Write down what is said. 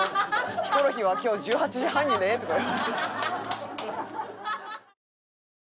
「ヒコロヒーは今日１８時半にね」とか言われて。